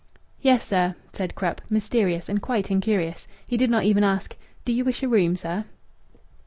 "Yes, sir," said Krupp, mysterious and quite incurious. He did not even ask, "Do you wish a room, sir?"